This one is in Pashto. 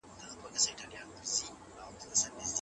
که تر نکاح وروسته شرط پوره سي، څه حکم لري؟